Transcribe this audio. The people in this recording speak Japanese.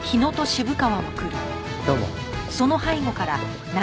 どうも。